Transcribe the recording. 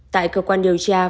tại cơ quan điều tra